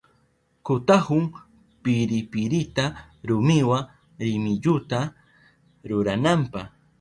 Kutahun piripirita rumiwa rimilluta rurananpa.